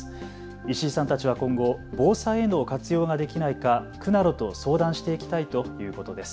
石井さんたちは今後、防災への活用ができないか区などと相談していきたいということです。